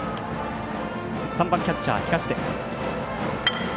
３番、キャッチャーの東出。